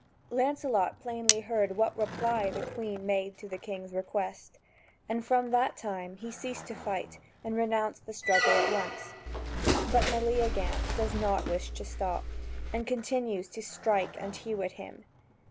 Lancelot plainly heard what reply the Queen made to the king's request, and from that time he ceased to fight and renounced the struggle at once. But Meleagant does not wish to stop, and continues to strike and hew at him.